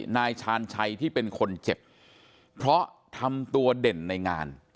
นายชาญชัยที่เป็นคนเจ็บเพราะทำตัวเด่นในงาน